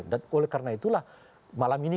dan oleh karena itulah malam ini